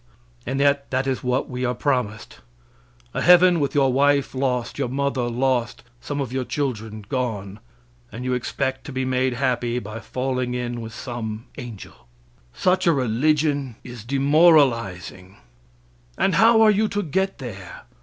And yet that is what we are promised a heaven with your wife lost, your mother lost, some of your children gone. And you expect to be made happy by falling in with some angel. Such a religion is demoralizing; and how are you to get there?